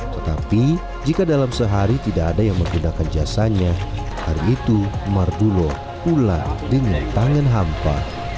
tetapi jika dalam sehari tidak ada yang menggunakan jasanya hari itu mardulo pulang dengan tangan hampa